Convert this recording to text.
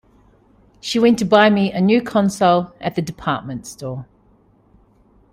She went to buy me a new console at the department store.